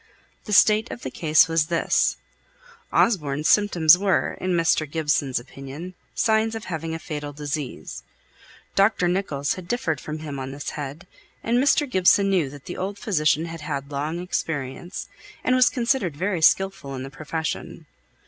The state of the case was this: Osborne's symptoms were, in Mr. Gibson's opinion, signs of his having a fatal disease. Dr. Nicholls had differed from him on this head, and Mr. Gibson knew that the old physician had had long experience, and was considered very skilful in the profession.